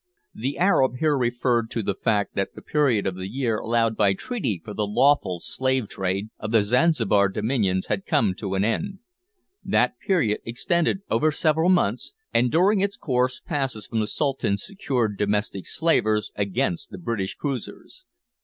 The Arab here referred to the fact that the period of the year allowed by treaty for the "lawful slave trade" of the Zanzibar dominions had come to an end. That period extended over several months, and during its course passes from the Sultan secured "domestic slavers" against the British cruisers.